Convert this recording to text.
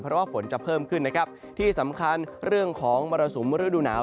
เพราะว่าฝนจะเพิ่มขึ้นนะครับที่สำคัญเรื่องของมรสุมฤดูหนาว